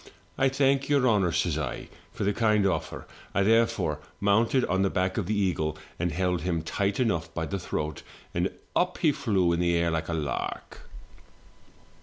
'I thank your honour,' says I, 'for the kind offer.' I therefore mounted on the back of the eagle, and held him tight enough by the throat, and up he flew in the air like a lark.